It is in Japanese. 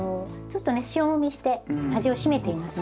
ちょっとね塩もみして味を締めていますので。